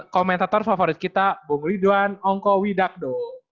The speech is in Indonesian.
komentator favorit kita bung ridwan ongkowidakdo